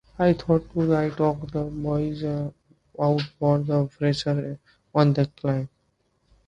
I thought of taking the bays out for a freshener on the cliff.